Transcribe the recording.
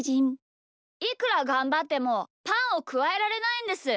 いくらがんばってもパンをくわえられないんです！